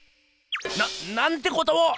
⁉なっなんてことを！